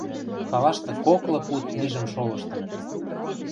Халашты коклы пуд мижӹм шолыштыныт...